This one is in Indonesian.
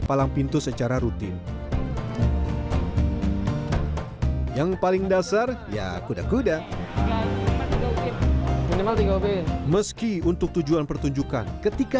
palang pintu secara rutin yang paling dasar ya kuda kuda meski untuk tujuan pertunjukan ketika